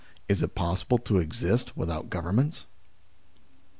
IS IT POSSIBLE TO EXIST WITHOUT GOVERNMENTS